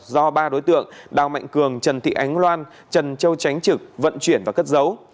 do ba đối tượng đào mạnh cường trần thị ánh loan trần châu tránh trực vận chuyển và cất dấu